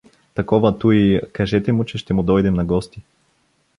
Такова туй… кажете му, че ще му дойдем на гости.